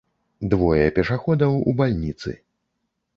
Двое пешаходаў у бальніцы.